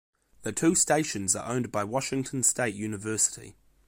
The two stations are owned by Washington State University.